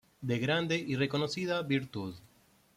De grande y reconocida virtud.